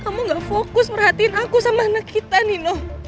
kamu gak fokus perhatiin aku sama anak kita nino